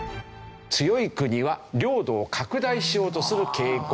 強い国は領土を拡大しようとする傾向が強い。